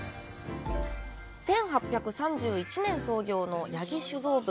１８３１年創業の八木酒造部。